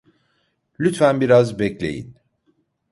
Lütfen biraz bekleyin.